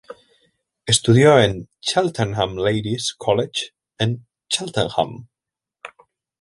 Estudió en Cheltenham Ladies' College en Cheltenham.